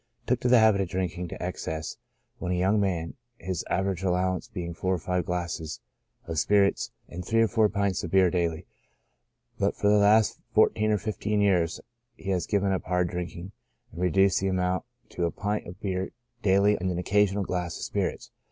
Took to the habit of drinking to excess when a young man, his aver age allowance being four or five glasses of spirits and three or four pints of beer daily ; but for the last fourteen or fif teen years he has given up hard drinking, and reduced the amount to a pint of beer daily and an occasional glass of spirits.